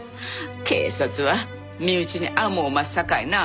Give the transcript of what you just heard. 警察は身内に甘うおまっさかいな。